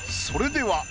それでは。